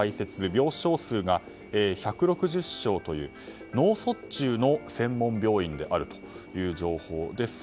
病床数が１６０床という脳卒中の専門病院であるという情報です。